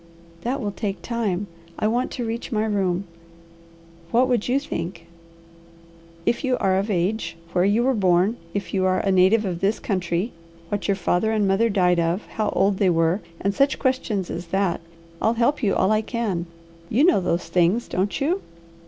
"That will take time. I want to reach my room. What would you think?" "If you are of age, where you were born, if you are a native of this country, what your father and mother died of, how old they were, and such questions as that. I'll help you all I can. You know those things. don't you?"